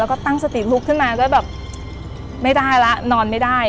แล้วก็ตั้งสติลุกขึ้นมาก็แบบไม่ได้แล้วนอนไม่ได้